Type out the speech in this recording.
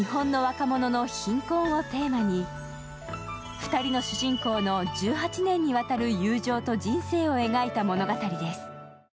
２人の主人公の１８年にわたる友情と人生を描いた物語です。